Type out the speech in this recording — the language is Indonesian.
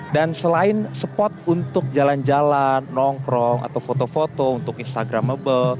dan selain spot untuk jalan jalan nongkrong atau foto foto untuk instagramable